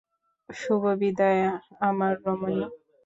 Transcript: শুভবিদায় আমার রমণী।